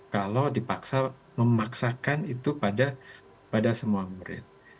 kalau dipaksa memaksakan itu pada semua murid